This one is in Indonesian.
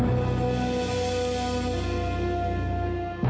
aku mau berjalan